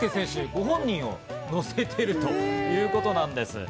ご本人を乗せているということなんです。